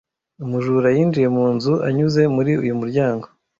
Umujura yinjiye mu nzu anyuze muri uyu muryango.